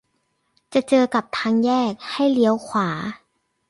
จะเจอกับทางแยกให้เลี้ยวขวา